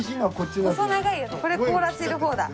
これ凍らせる方だ。